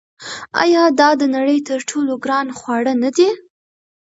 آیا دا د نړۍ تر ټولو ګران خواړه نه دي؟